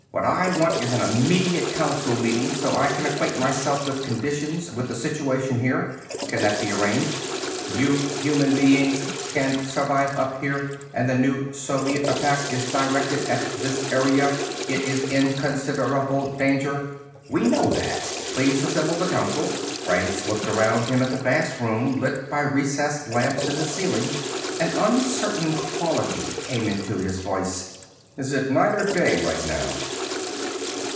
What I want is an immediate Council meeting so I can acquaint myself with conditions, with the situation here. Can that be arranged?" "You human beings can't survive up here. And the new Soviet attack is directed at this area. It is in considerable danger." "We know that. Please assemble the Council." Franks looked around him at the vast room, lit by recessed lamps in the ceiling. An uncertain quality came into his voice. "Is it night or day right now?"